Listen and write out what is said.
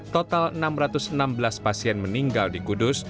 total enam ratus enam belas pasien meninggal di kudus